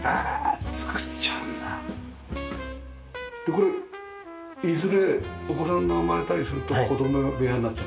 これいずれお子さんが生まれたりすると子供部屋になっちゃう？